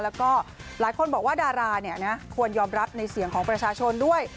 แล้วก็หลายคนบอกว่าดาราควรยอมรับในเสียงของประชาชนด้วย